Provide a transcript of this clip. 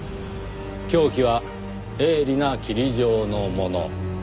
凶器は鋭利なキリ状のもの。